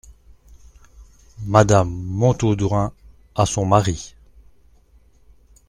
Madame Montaudoin , à son mari.